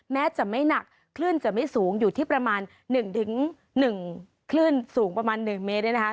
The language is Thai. แม้จะไม่หนักคลื่นจะไม่สูงอยู่ที่ประมาณ๑๑คลื่นสูงประมาณ๑เมตรเนี่ยนะคะ